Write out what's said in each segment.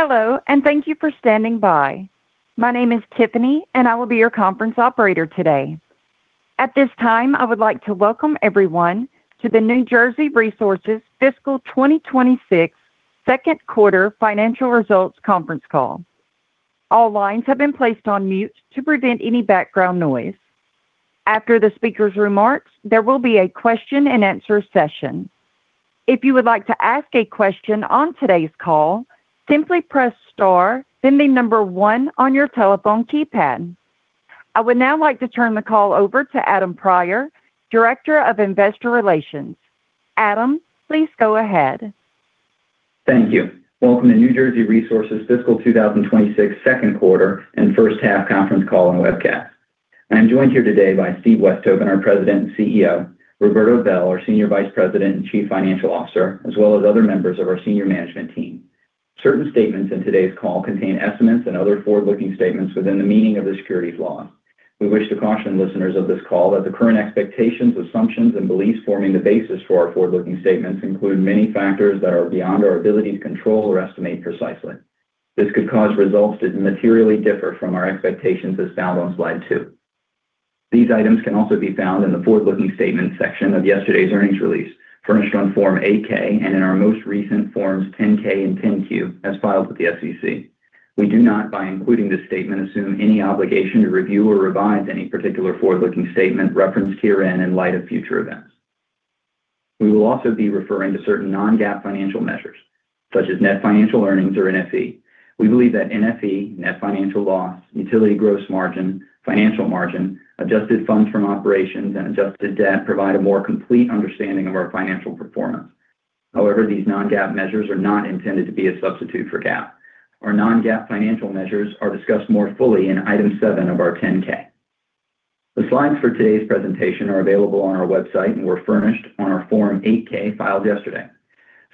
Hello, and thank you for standing by. My name is Tiffany, and I will be your conference operator today. At this time, I would like to welcome everyone to the New Jersey Resources Fiscal 2026 second quarter financial results conference call. All lines have been placed on mute to prevent any background noise. After the speaker's remarks, there will be a question-and-answer session. If you would like to ask a question on today's call, simply press star, then the number one on your telephone keypad. I would now like to turn the call over to Adam Prior, Director of Investor Relations. Adam, please go ahead. Thank you. Welcome to New Jersey Resources Fiscal 2026 second quarter and first half conference call and webcast. I'm joined here today by Steve Westhoven, our President and CEO, Roberto Bel, our Senior Vice President and Chief Financial Officer, as well as other members of our senior management team. Certain statements in today's call contain estimates and other forward-looking statements within the meaning of the securities law. We wish to caution listeners of this call that the current expectations, assumptions, and beliefs forming the basis for our forward-looking statements include many factors that are beyond our ability to control or estimate precisely. This could cause results to materially differ from our expectations as found on slide two. These items can also be found in the forward-looking statement section of yesterday's earnings release, furnished on Form 8-K and in our most recent Forms 10-K and 10-Q, as filed with the SEC. We do not, by including this statement, assume any obligation to review or revise any particular forward-looking statement referenced herein in light of future events. We will also be referring to certain non-GAAP financial measures, such as net financial earnings or NFE. We believe that NFE, net financial loss, utility gross margin, financial margin, adjusted funds from operations, and adjusted debt provide a more complete understanding of our financial performance. However, these non-GAAP measures are not intended to be a substitute for GAAP. Our non-GAAP financial measures are discussed more fully in Item 7 of our 10-K. The slides for today's presentation are available on our website and were furnished on our Form 8-K filed yesterday.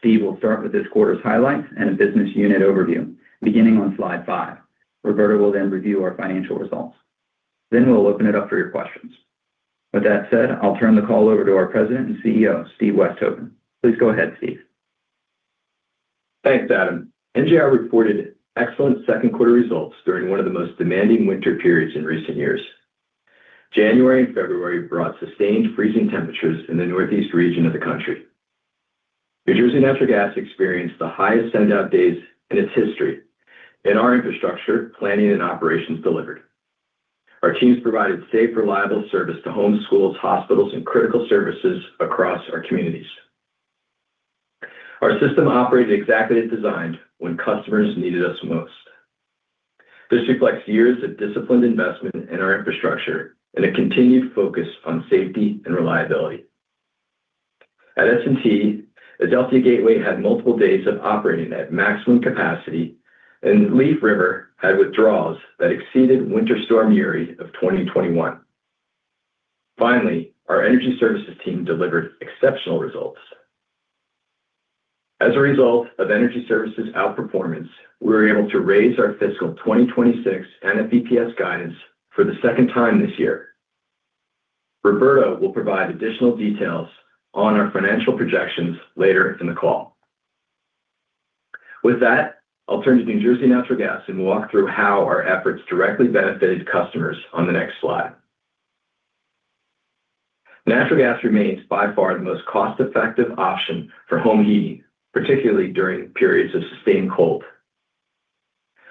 Steve will start with this quarter's highlights and a business unit overview, beginning on slide 5. Roberto Bel will review our financial results. We'll open it up for your questions. With that said, I'll turn the call over to our President and CEO, Steve Westhoven. Please go ahead, Steve. Thanks, Adam Prior. NJR reported excellent second quarter results during one of the most demanding winter periods in recent years. January and February brought sustained freezing temperatures in the Northeast region of the country. New Jersey Natural Gas experienced the highest send-out days in its history, our infrastructure, planning, and operations delivered. Our teams provided safe, reliable service to home schools, hospitals, and critical services across our communities. Our system operated exactly as designed when customers needed us most. This reflects years of disciplined investment in our infrastructure and a continued focus on safety and reliability. At S&T, Adelphia Gateway had multiple days of operating at maximum capacity, Leaf River had withdrawals that exceeded Winter Storm Uri of 2021. Finally, our energy services team delivered exceptional results. As a result of energy services' outperformance, we were able to raise our fiscal 2026 NFEPS guidance for the second time this year. Roberto will provide additional details on our financial projections later in the call. With that, I'll turn to New Jersey Natural Gas, and we'll walk through how our efforts directly benefited customers on the next slide. Natural gas remains by far the most cost-effective option for home heating, particularly during periods of sustained cold.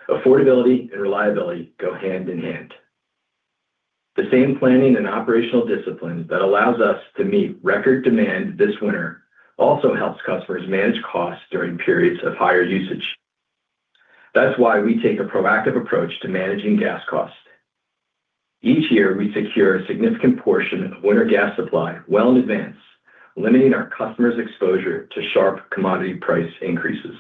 Affordability and reliability go hand in hand. The same planning and operational discipline that allows us to meet record demand this winter also helps customers manage costs during periods of higher usage. That's why we take a proactive approach to managing gas costs. Each year, we secure a significant portion of winter gas supply well in advance, limiting our customers' exposure to sharp commodity price increases.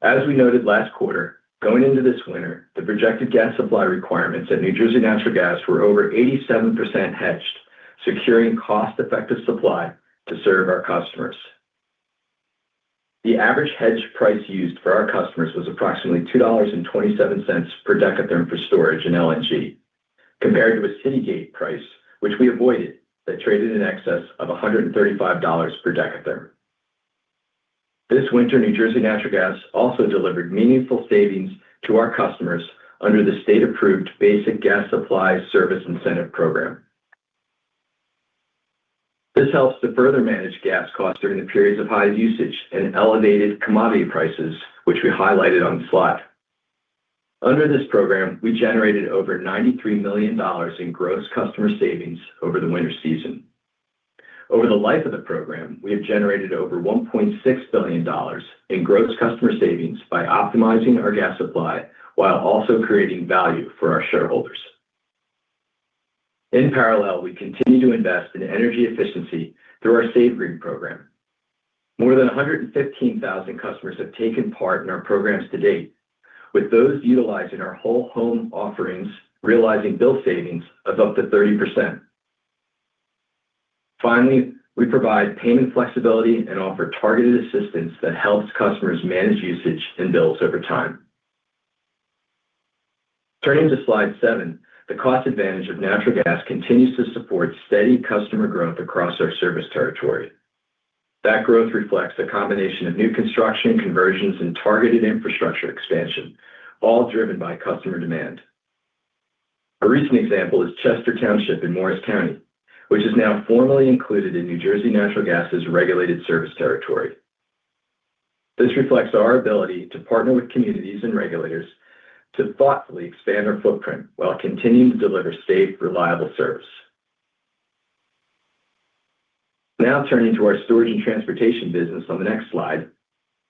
As we noted last quarter, going into this winter, the projected gas supply requirements at New Jersey Natural Gas were over 87% hedged, securing cost-effective supply to serve our customers. The average hedge price used for our customers was approximately $2.27 per dekatherm for storage and LNG, compared to a Citygate price, which we avoided, that traded in excess of $135 per dekatherm. This winter, New Jersey Natural Gas also delivered meaningful savings to our customers under the state-approved Basic Gas Supply Service Incentive program. This helps to further manage gas costs during the periods of high usage and elevated commodity prices, which we highlighted on the slide. Under this program, we generated over $93 million in gross customer savings over the winter season. Over the life of the program, we have generated over $1.6 billion in gross customer savings by optimizing our gas supply while also creating value for our shareholders. In parallel, we continue to invest in energy efficiency through our SAVEGREEN program. More than 115,000 customers have taken part in our programs to date, with those utilizing our whole home offerings realizing bill savings of up to 30%. Finally, we provide payment flexibility and offer targeted assistance that helps customers manage usage and bills over time. Turning to slide 7, the cost advantage of natural gas continues to support steady customer growth across our service territory. That growth reflects a combination of new construction, conversions and targeted infrastructure expansion, all driven by customer demand. A recent example is Chester Township in Morris County, which is now formally included in New Jersey Natural Gas's regulated service territory. This reflects our ability to partner with communities and regulators to thoughtfully expand our footprint while continuing to deliver safe, reliable service. Turning to our Storage and Transportation business on the next slide.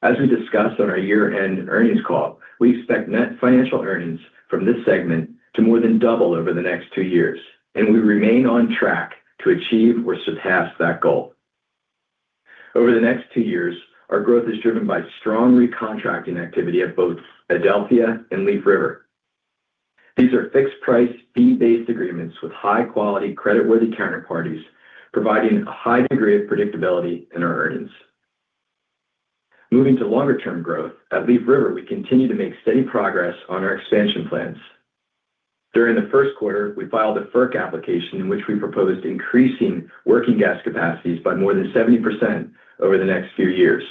As we discussed on our year-end earnings call, we expect net financial earnings from this segment to more than double over the next two years, and we remain on track to achieve or surpass that goal. Over the next two years, our growth is driven by strong recontracting activity at both Adelphia and Leaf River. These are fixed price, fee-based agreements with high quality creditworthy counterparties, providing a high degree of predictability in our earnings. Moving to longer term growth. At Leaf River, we continue to make steady progress on our expansion plans. During the first quarter, we filed a FERC application in which we proposed increasing working gas capacities by more than 70% over the next few years.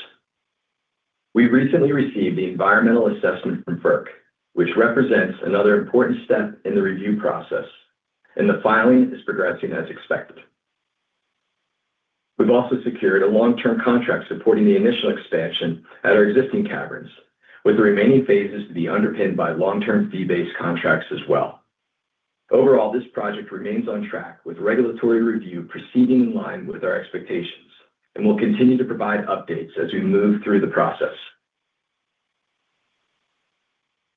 We recently received the environmental assessment from FERC, which represents another important step in the review process. The filing is progressing as expected. We've also secured a long-term contract supporting the initial expansion at our existing caverns, with the remaining phases to be underpinned by long-term fee-based contracts as well. Overall, this project remains on track with regulatory review proceeding in line with our expectations. We'll continue to provide updates as we move through the process.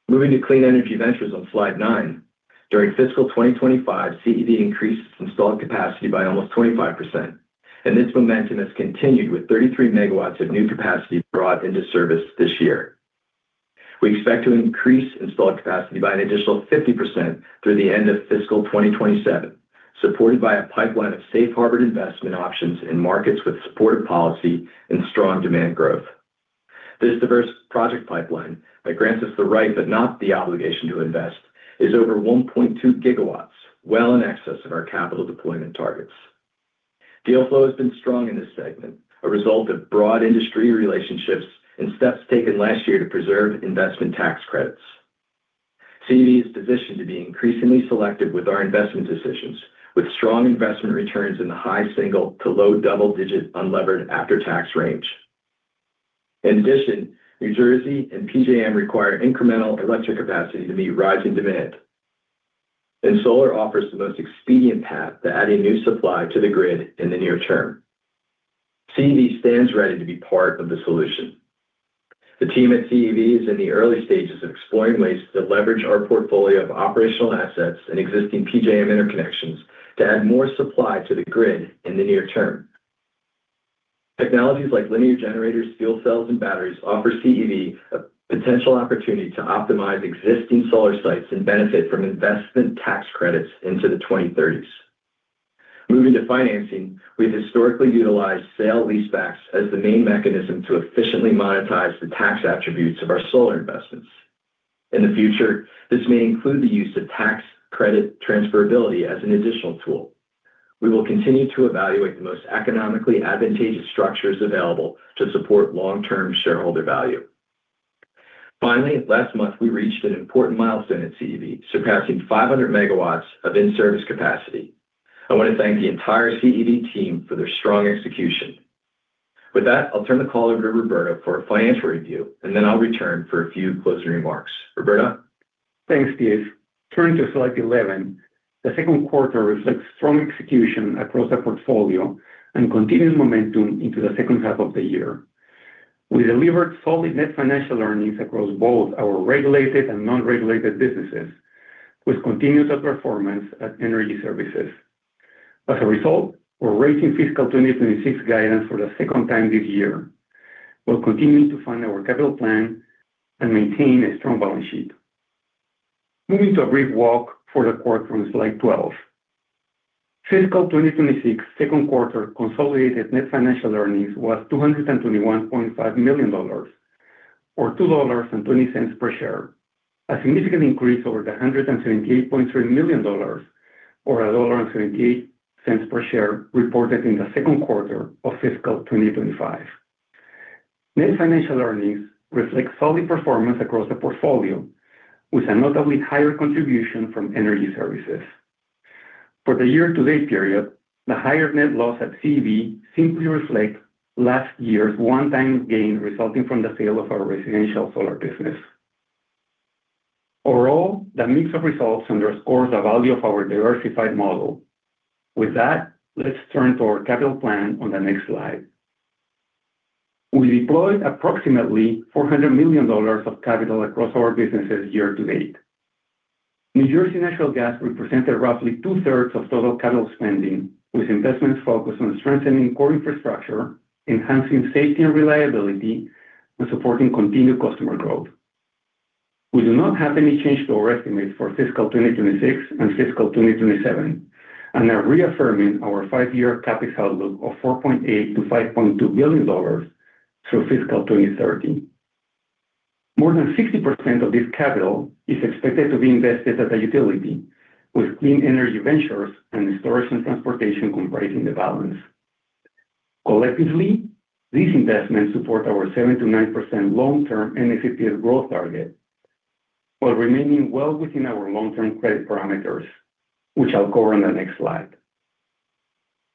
Moving to Clean Energy Ventures on slide 9. During fiscal 2025, CEV increased its installed capacity by almost 25%. This momentum has continued with 33 MW of new capacity brought into service this year. We expect to increase installed capacity by an additional 50% through the end of fiscal 2027, supported by a pipeline of safe harbored investment options in markets with supportive policy and strong demand growth. This diverse project pipeline that grants us the right, but not the obligation to invest, is over 1.2 gigawatts, well in excess of our capital deployment targets. Deal flow has been strong in this segment, a result of broad industry relationships and steps taken last year to preserve investment tax credits. CEV is positioned to be increasingly selective with our investment decisions, with strong investment returns in the high single-digit to low double-digit unlevered after-tax range. New Jersey and PJM require incremental electric capacity to meet rising demand. Solar offers the most expedient path to adding new supply to the grid in the near term. CEV stands ready to be part of the solution. The team at CEV is in the early stages of exploring ways to leverage our portfolio of operational assets and existing PJM Interconnection to add more supply to the grid in the near term. Technologies like linear generators, fuel cells, and batteries offer CEV a potential opportunity to optimize existing solar sites and benefit from investment tax credits into the 2030s. Moving to financing. We've historically utilized sale leasebacks as the main mechanism to efficiently monetize the tax attributes of our solar investments. In the future, this may include the use of tax credit transferability as an additional tool. We will continue to evaluate the most economically advantageous structures available to support long-term shareholder value. Finally, last month, we reached an important milestone at CEV, surpassing 500 MW of in-service capacity. I want to thank the entire CEV team for their strong execution. With that, I'll turn the call over to Roberto for a financial review, and then I'll return for a few closing remarks. Roberto? Thanks, Steve. Turning to slide 11, the 2nd quarter reflects strong execution across our portfolio and continued momentum into the 2nd half of the year. We delivered solid net financial earnings across both our regulated and non-regulated businesses, with continued performance at Energy Services. As a result, we're raising fiscal 2026 guidance for the 2nd time this year. We'll continue to fund our capital plan and maintain a strong balance sheet. Moving to a brief walk for the quarter on slide 12. Fiscal 2026 2nd quarter consolidated net financial earnings was $221.5 million or $2.20 per share. A significant increase over the $178.3 million or $1.78 per share reported in the 2nd quarter of fiscal 2025. Net financial earnings reflect solid performance across the portfolio with a notably higher contribution from Energy Services. For the year-to-date period, the higher net loss at CEV simply reflect last year's one-time gain resulting from the sale of our residential solar business. Overall, the mix of results underscores the value of our diversified model. With that, let's turn to our capital plan on the next slide. We deployed approximately $400 million of capital across our businesses year to date. New Jersey Natural Gas represented roughly two-thirds of total capital spending, with investments focused on strengthening core infrastructure, enhancing safety and reliability, and supporting continued customer growth. We do not have any change to our estimates for fiscal 2026 and fiscal 2027 and are reaffirming our five-year capital outlook of $4.8 billion-$5.2 billion through fiscal 2030. More than 60% of this capital is expected to be invested at the utility with Clean Energy Ventures and Storage and Transportation comprising the balance. Collectively, these investments support our 7%-9% long-term NFEPS growth target, while remaining well within our long-term credit parameters, which I'll cover on the next slide.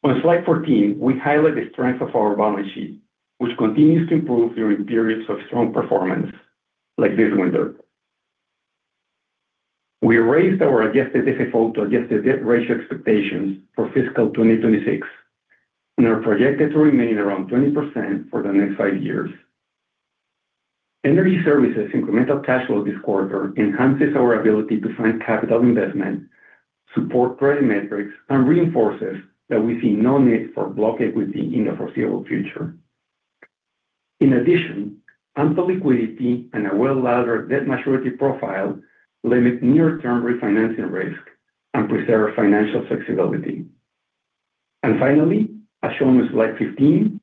On slide 14, we highlight the strength of our balance sheet, which continues to improve during periods of strong performance like this winter. We raised our adjusted FFO to adjusted debt ratio expectations for fiscal 2026, and are projected to remain around 20% for the next five years. Energy Services incremental cash flow this quarter enhances our ability to find capital investment, support credit metrics, and reinforces that we see no need for block equity in the foreseeable future. In addition, ample liquidity and a well-leveled debt maturity profile limit near term refinancing risk and preserve financial flexibility. Finally, as shown in slide 15,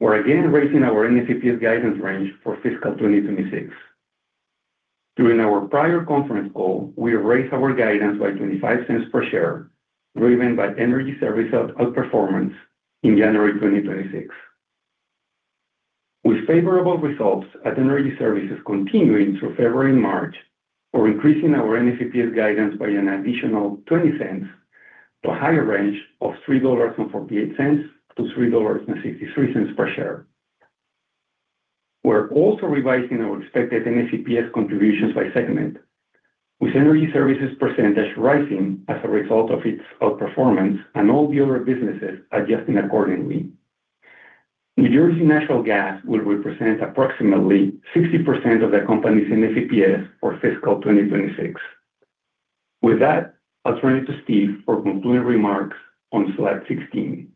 we're again raising our NFEPS guidance range for fiscal 2026. During our prior conference call, we raised our guidance by $0.25 per share, driven by Energy Services outperformance in January 2026. Favorable results at Energy Services continuing through February and March, we're increasing our NFEPS guidance by an additional $0.20 to a higher range of $3.48-$3.63 per share. We're also revising our expected NFEPS contributions by segment. Energy Services percentage rising as a result of its outperformance and all the other businesses adjusting accordingly. New Jersey Natural Gas will represent approximately 60% of the company's NFEPS for fiscal 2026. With that, I'll turn it to Steve for concluding remarks on slide 16.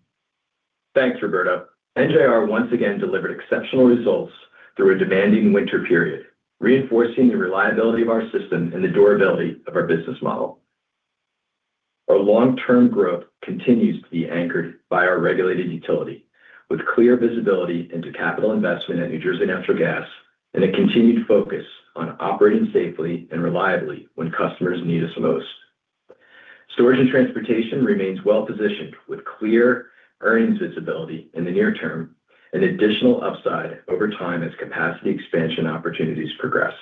Thanks, Roberto. NJR once again delivered exceptional results through a demanding winter period, reinforcing the reliability of our system and the durability of our business model. Our long-term growth continues to be anchored by our regulated utility, with clear visibility into capital investment at New Jersey Natural Gas and a continued focus on operating safely and reliably when customers need us most. Storage and Transportation remains well-positioned, with clear earnings visibility in the near term and additional upside over time as capacity expansion opportunities progress.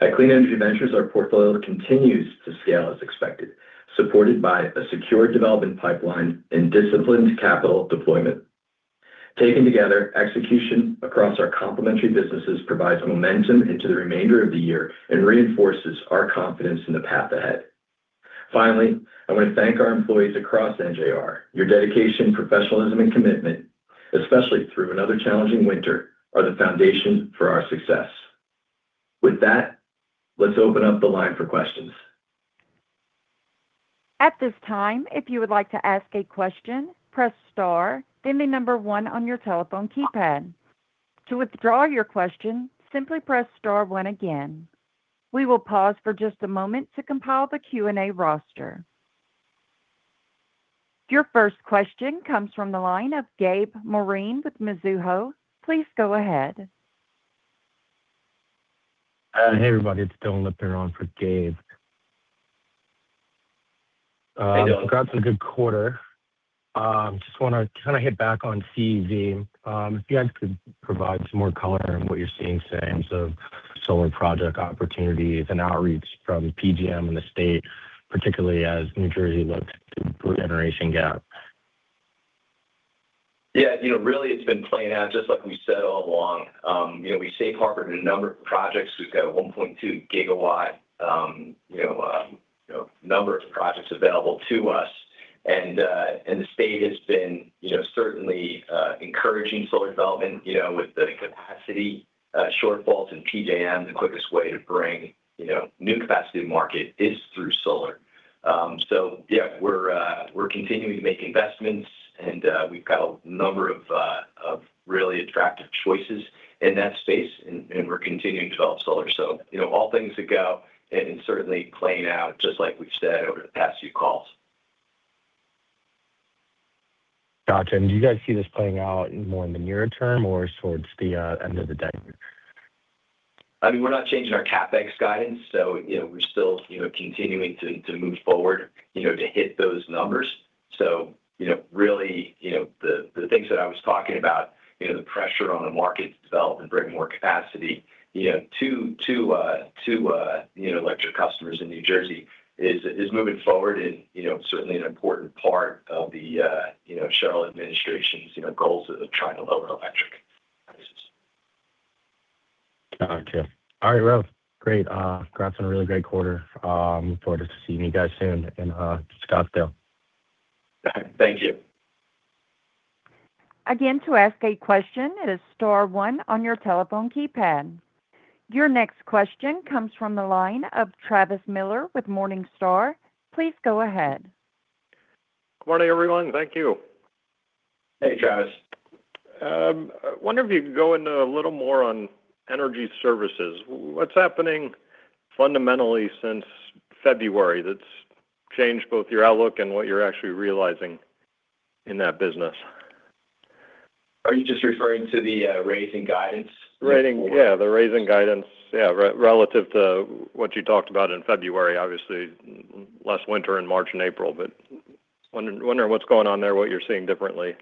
At Clean Energy Ventures, our portfolio continues to scale as expected, supported by a secure development pipeline and disciplined capital deployment. Taken together, execution across our complementary businesses provides momentum into the remainder of the year and reinforces our confidence in the path ahead. Finally, I want to thank our employees across NJR. Your dedication, professionalism and commitment, especially through another challenging winter, are the foundation for our success. With that, let's open up the line for questions. Your first question comes from the line of Gabe Moreen with Mizuho. Please go ahead. Hey, everybody, it's [Dylan Lipiron] for Gabe. Hey, [Dylan]. Congrats on a good quarter. Just wanna kind of hit back on CEV. If you guys could provide some more color on what you're seeing, say, in terms of solar project opportunities and outreach from PJM and the state, particularly as New Jersey looks to generation gap. Yeah, you know, really, it's been playing out just like we said all along. You know, we safe harbored a number of projects. We've got 1.2 GW number of projects available to us. The state has been, you know, certainly, encouraging solar development, you know, with the capacity shortfall in PJM. The quickest way to bring, you know, new capacity to market is through solar. Yeah, we're continuing to make investments, and we've got a number of really attractive choices in that space and we're continuing to develop solar. You know, all things to go and certainly playing out just like we've said over the past few calls. Gotcha. Do you guys see this playing out more in the near term or towards the end of the decade? I mean, we're not changing our CapEx guidance, you know, we're still, you know, continuing to move forward, you know, to hit those numbers. You know, really, you know, the things that I was talking about, you know, the pressure on the market to develop and bring more capacity, you know, to electric customers in New Jersey is moving forward. You know, certainly an important part of the, you know, Sherrill administration's, you know, goals of trying to lower electric prices. Gotcha. All right, well, great. Congrats on a really great quarter. Looking forward to seeing you guys soon in Scottsdale. Thank you. Again, to ask a question, it is star one on your telephone keypad. Your next question comes from the line of Travis Miller with Morningstar. Please go ahead. Good morning, everyone. Thank you. Hey, Travis. I wonder if you could go into a little more on Energy Services. What's happening fundamentally since February? Change both your outlook and what you're actually realizing in that business. Are you just referring to the raising guidance before? The raising guidance, relative to what you talked about in February. Obviously, last winter in March and April. Wonder what's going on there, what you're seeing differently?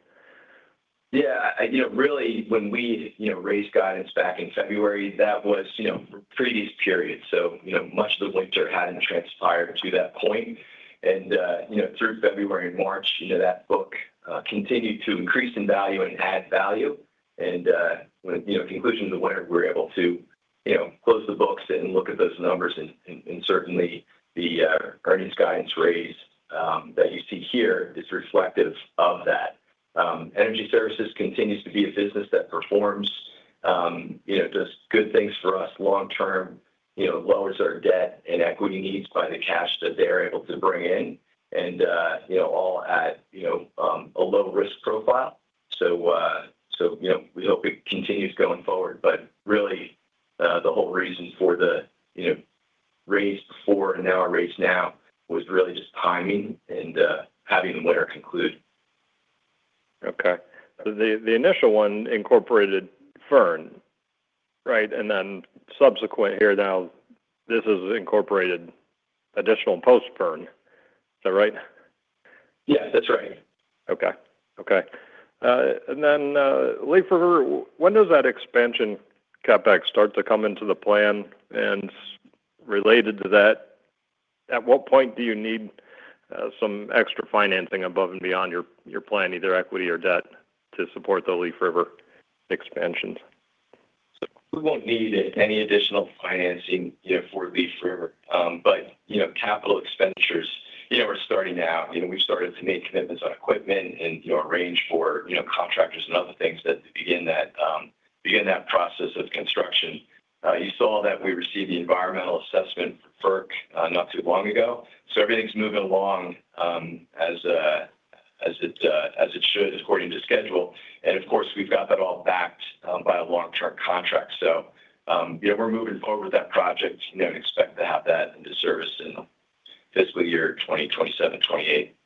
Yeah. You know, really, when we, you know, raised guidance back in February, that was, you know, for previous periods. You know, much of the winter hadn't transpired to that point. You know, through February and March, you know, that book continued to increase in value and add value. When, you know, conclusion of the winter, we were able to, you know, close the books and look at those numbers. Certainly, the earnings guidance raise that you see here is reflective of that. Energy Services continues to be a business that performs, you know, just good things for us long term. You know, lowers our debt and equity needs by the cash that they're able to bring in and, you know, all at, you know, a low-risk profile. You know, we hope it continues going forward. Really, the whole reason for the, you know, raise before and now our raise now was really just timing and having the winter conclude. Okay. The initial one incorporated Fern, right? Subsequent here now, this has incorporated additional post-Fern. Is that right? Yeah, that's right. Okay. Okay. Leaf River, when does that expansion CapEx start to come into the plan? Related to that, at what point do you need some extra financing above and beyond your plan, either equity or debt, to support the Leaf River expansion? We won't need any additional financing, you know, for Leaf River. Capital expenditures, you know, are starting now. You know, we've started to make commitments on equipment and, you know, arrange for, you know, contractors and other things to begin that process of construction. You saw that we received the environmental assessment FERC not too long ago. Everything's moving along as it should according to schedule. Of course, we've got that all backed by a long-term contract. You know, we're moving forward with that project. You know, expect to have that into service in fiscal year 2027, 2028.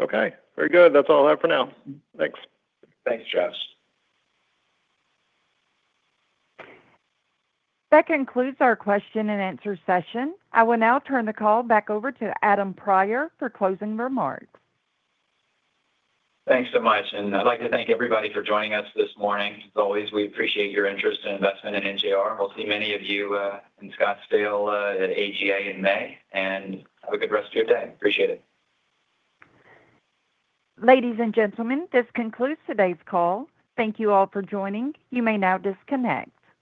Okay. Very good. That's all I have for now. Thanks. Thanks, Josh. That concludes our question and answer session. I will now turn the call back over to Adam Prior for closing remarks. Thanks so much, and I'd like to thank everybody for joining us this morning. As always, we appreciate your interest and investment in NJR. We'll see many of you in Scottsdale at AGA in May. Have a good rest of your day. Appreciate it. Ladies and gentlemen, this concludes today's call. Thank you all for joining. You may now disconnect.